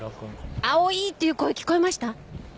蒼唯という声聞こえました？